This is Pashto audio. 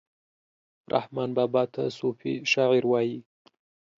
رحمان بابا ته صوفي شاعر وايي